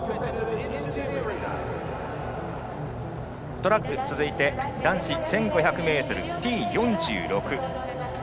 トラック続いて男子１５００ｍＴ４６。